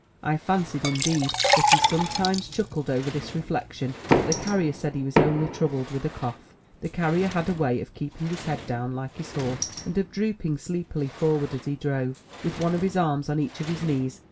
I fancied, indeed, that he sometimes chuckled over this reflection, but the carrier said he was only troubled with a cough. The carrier had a way of keeping his head down, like his horse, and of drooping sleepily forward as he drove, with one of his arms on each of his knees.